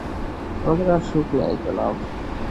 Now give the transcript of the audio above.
আমাদের আর সুখ নাই, জনাব।